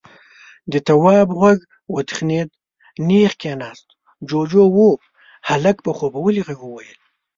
د تواب غوږ وتخنېد، نېغ کېناست. جُوجُو و. هلک په خوبولي غږ وويل: